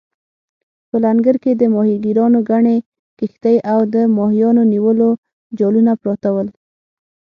په لنګر کې د ماهیګیرانو ګڼې کښتۍ او د ماهیانو نیولو جالونه پراته ول.